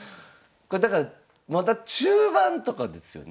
だからまだ中盤とかですよね？